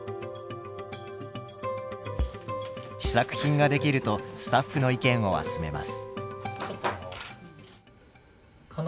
試作品が出来るとスタッフの意見を集めます。